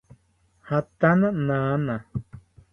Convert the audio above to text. Jatana nana